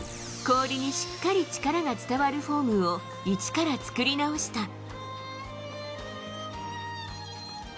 氷にしっかり力が伝わるフォームを一から作り直した。